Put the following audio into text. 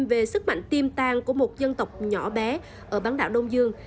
về sức mạnh tiêm tàng của một dân tộc nhỏ bé ở bán đảo đông dương